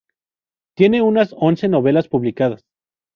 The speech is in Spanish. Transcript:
Tiene unas once novelas publicadas.